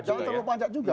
jangan terlalu panjang juga